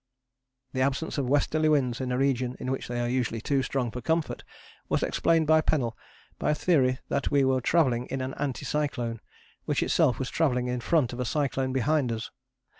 This absence of westerly winds in a region in which they are usually too strong for comfort was explained by Pennell by a theory that we were travelling in an anticyclone, which itself was travelling in front of a cyclone behind us.